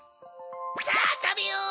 さぁたべよう！